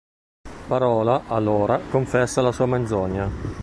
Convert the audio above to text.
Parola, allora, confessa la sua menzogna.